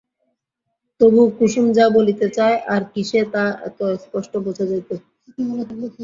তবু, কুসুম যা বলিতে চায় আর কিসে তা এত স্পষ্ট বোঝা যাইত?